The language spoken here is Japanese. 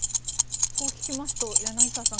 そう聞きますと柳澤さん